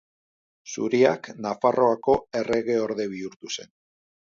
Zuriak Nafarroako erregeorde bihurtu zen.